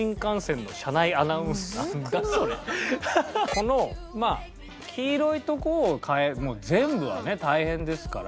このまあ黄色いとこを変え全部はね大変ですから。